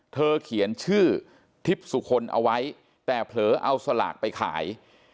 เขียนชื่อทิพย์สุคลเอาไว้แต่เผลอเอาสลากไปขาย